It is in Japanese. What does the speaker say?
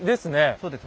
そうです。